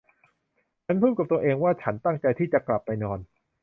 ฉันพูดกับตัวเองว่าฉันตั้งใจที่จะกลับไปนอน